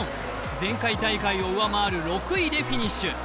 前回大会を上回る６位でフィニッシュ。